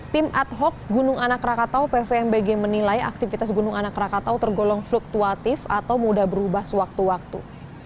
tim ad hoc gunung anak rakatau pvmbg menilai aktivitas gunung anak rakatau tergolong fluktuatif atau mudah berubah sewaktu waktu